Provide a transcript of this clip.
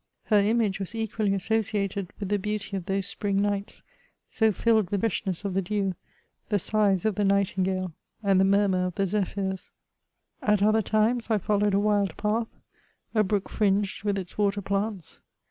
Her image was equally associated 136 MEMOIRS OF ^Ith the beauty of those spring nights, so filled with the freshness of the dew, the sighs of the nightingale and the murmur of the zephyrs. At other times, I followed a wild path, a brook firinged with its water plants.